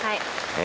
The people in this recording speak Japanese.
え